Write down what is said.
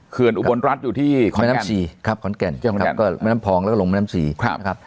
เครื่องบรรลัสอยู่ที่ขอนแก่นมศครับมศและมศครับ